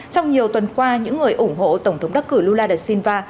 trong nhiều tuần qua những người ủng hộ tổng thống đắc cử lula da silva